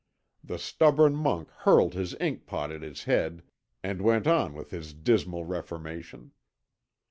The stubborn monk hurled his ink pot at his head and went on with his dismal reformation.